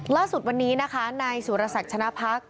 ล่าสุดวันนี้นะคะนายสุรศักดิ์ชนะพักษ